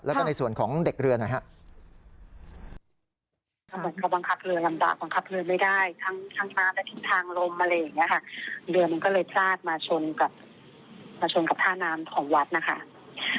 ก็คือโป๊ะนี้เป็นโป๊ะสำหรับเทียบเรือของเรือด่วนเจ้าพระยาเขาหรือเปล่า